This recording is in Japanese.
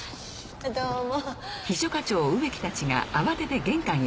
どうも。